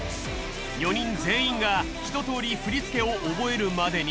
４人全員がひととおり振り付けを覚えるまでに。